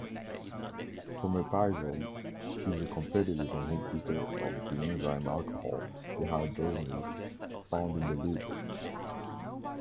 Fomepizole is a competitive inhibitor of the enzyme alcohol dehydrogenase, found in the liver.